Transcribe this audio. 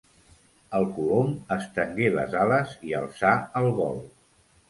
El colom estengué les ales i alçà el vol.